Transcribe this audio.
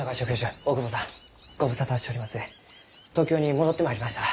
東京に戻ってまいりました。